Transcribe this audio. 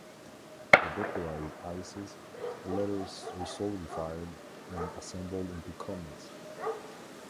The vaporized ices later resolidified and assembled into comets.